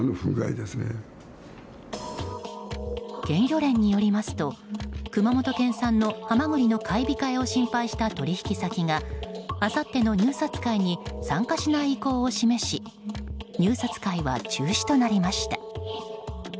県漁連によりますと熊本県産のハマグリの買い控えを心配した取引先があさっての入札会に参加しない意向を示し入札会は中止となりました。